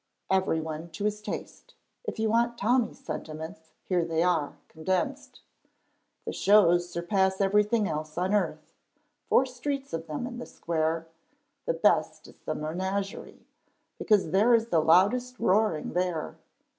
Everyone to his taste. If you want Tommy's sentiments, here they are, condensed: "The shows surpass everything else on earth. Four streets of them in the square! The best is the menagerie, because there is the loudest roaring there.